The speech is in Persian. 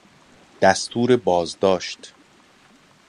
دستور بازداشت